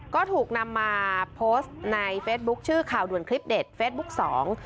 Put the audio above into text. ก็ถูกนำมาโพสต์ในเฟซบุ๊คชื่อข่าวด่วนคลิปเด็ดเฟซบุ๊คสอง